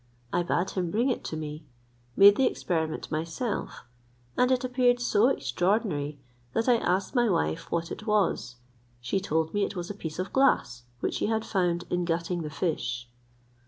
I bade him bring it to me, made the experiment myself, and it appeared so extraordinary, that I asked my wife what it was. She told me it was a piece of glass, which she had found in gutting the fish.